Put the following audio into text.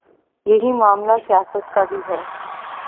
یہی معاملہ سیاست کا بھی ہے۔